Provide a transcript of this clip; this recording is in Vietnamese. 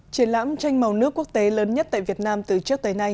triển lãm tranh màu nước quốc tế lớn nhất tại việt nam từ trước tới nay